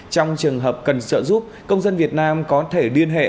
trong trường hợp cần sợ giúp công dân việt nam có thể điên hệ